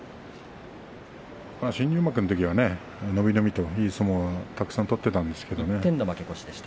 新入幕のときは伸び伸びといい相撲をたくさん取っていたんですけれどもね。